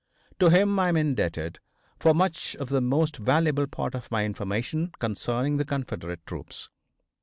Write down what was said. To him I am indebted for much of the most valuable part of my information concerning the Confederate troops.